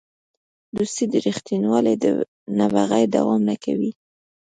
دوستي د رښتینولۍ نه بغیر دوام نه کوي.